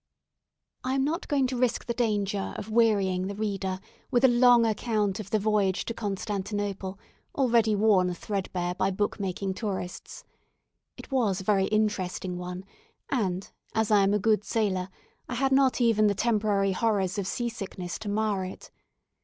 I am not going to risk the danger of wearying the reader with a long account of the voyage to Constantinople, already worn threadbare by book making tourists. It was a very interesting one, and, as I am a good sailor, I had not even the temporary horrors of sea sickness to mar it.